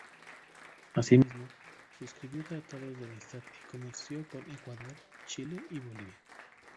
Asimismo, suscribió tratados de amistad y comercio con Ecuador, Chile y Bolivia.